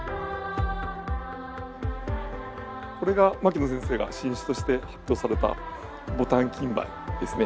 これが牧野先生が新種として発表されたボタンキンバイですね。